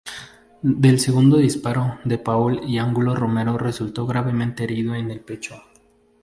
Del segundo disparo de Paúl y Angulo Romero resultó gravemente herido en el pecho.